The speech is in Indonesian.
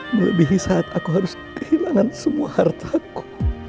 melebihi saat aku harus kehilangan semua hartaku